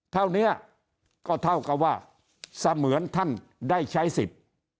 เท่านี้ก็เท่ากับว่าเสมือนท่านได้ใช้สิทธิ์